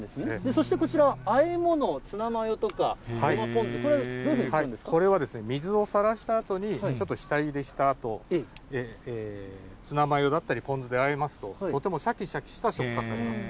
そしてこちらはあえ物、ツナマヨとかごまポン酢、これはどうやっこれは、水をさらしたあとに、ちょっと下ゆでしたあと、ツナマヨだったりポン酢であえますと、とてもしゃきしゃきした食感になります。